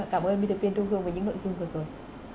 cảm ơn mỹ thực viên thu hương và những nội dung vừa rồi